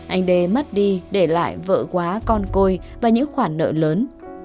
anh đê mất đi để lại vợ quá con côi và những khoản nợ lớn